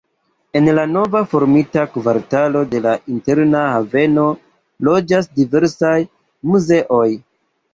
En la nove formita kvartalo de la Interna Haveno loĝas diversaj muzeoj.